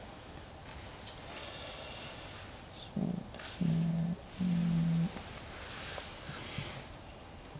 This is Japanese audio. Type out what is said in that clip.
そうですねうん。